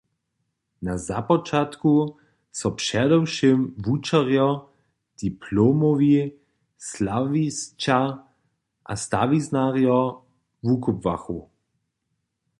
Na započatku so předewšěm wučerjo, diplomowi slawisća a stawiznarjo wukubłachu.